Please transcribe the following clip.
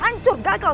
pantes aja kak fanny